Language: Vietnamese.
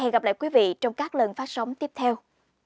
hẹn gặp lại quý vị trong các lần phát sóng tiếp theo